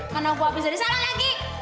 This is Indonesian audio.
mana gua bisa disalah lagi